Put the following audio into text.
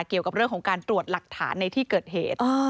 เกี่ยวกับเรื่องของการตรวจหลักฐานในที่เกิดเหตุ